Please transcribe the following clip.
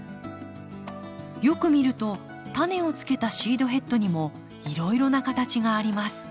よく見るとタネをつけたシードヘッドにもいろいろな形があります。